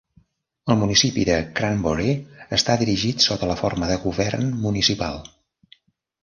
El municipi de Cranbury està dirigit sota la forma de govern municipal.